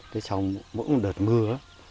trong mỗi một đợt mưa